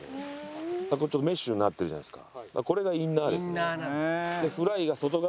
ちょっとメッシュになってるじゃないですか。